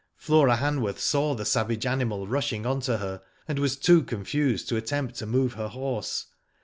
Flora Hanworth saw the savage animal rushing on to her, and was too confused to attempt to move her horse.